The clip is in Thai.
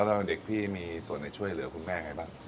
แล้วเด็กพี่มีส่วนในช่วยเหลือคุณแม่ยังไงบ้าง